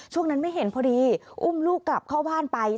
ช่วงนั้นไม่เห็นพอดีอุ้มลูกกลับเข้าบ้านไป